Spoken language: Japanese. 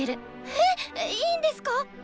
えっいいんですか？